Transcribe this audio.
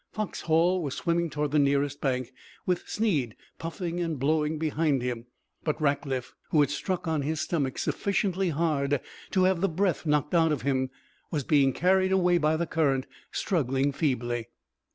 Foxhall was swimming toward the nearest bank, with Snead puffing and blowing behind him; but Rackliff, who had struck on his stomach sufficiently hard to have the breath knocked out of him, was being carried away by the current, struggling feebly.